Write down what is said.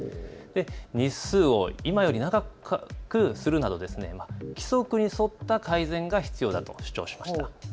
日数を今より長くするなど規則に沿った改善が必要だと主張しました。